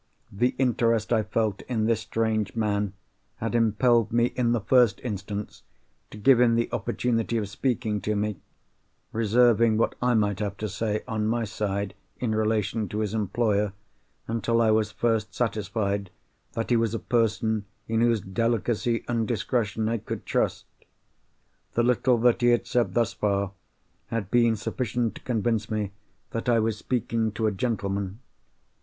The interest I felt in this strange man had impelled me, in the first instance, to give him the opportunity of speaking to me; reserving what I might have to say, on my side, in relation to his employer, until I was first satisfied that he was a person in whose delicacy and discretion I could trust. The little that he had said, thus far, had been sufficient to convince me that I was speaking to a gentleman.